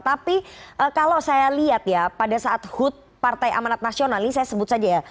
tapi kalau saya lihat ya pada saat hut partai amanat nasional ini saya sebut saja ya